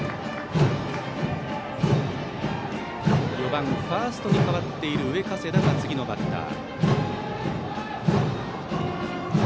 ４番、ファーストに変わっている上加世田が次のバッター。